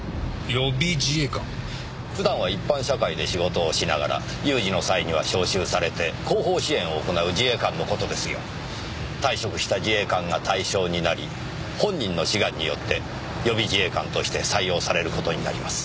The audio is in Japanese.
普段は一般社会で仕事をしながら有事の際には招集されて後方支援を行う自衛官の事ですよ。退職した自衛官が対象になり本人の志願によって予備自衛官として採用される事になります。